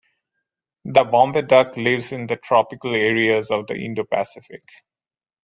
The Bombay duck lives in the tropical areas of the Indo-Pacific.